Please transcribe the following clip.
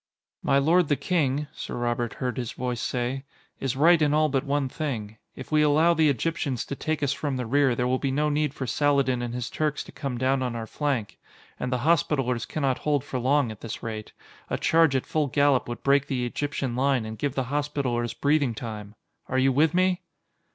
"My lord the King," Sir Robert heard his voice say, "is right in all but one thing. If we allow the Egyptians to take us from the rear, there will be no need for Saladin and his Turks to come down on our flank. And the Hospitallers cannot hold for long at this rate. A charge at full gallop would break the Egyptian line and give the Hospitallers breathing time. Are you with me?"